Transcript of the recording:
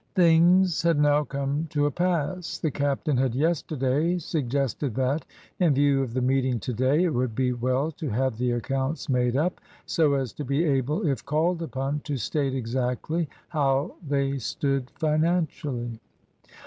Things had now come to a pass. The captain had yesterday suggested that, in view of the meeting to day, it would be well to have the accounts made up, so as to be able, if called upon, to state exactly how they stood financially.